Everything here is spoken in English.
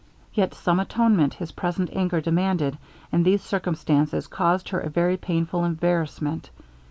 Yet some atonement his present anger demanded, and these circumstances caused her a very painful embarrassment.